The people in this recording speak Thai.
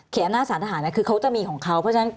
อำนาจสารทหารคือเขาจะมีของเขาเพราะฉะนั้น